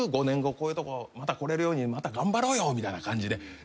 ５年後こういうとこまた来れるようにまた頑張ろうよみたいな感じで。